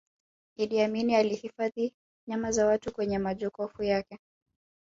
iddi amini alihifadhi nyama za watu kwenye majokofu yake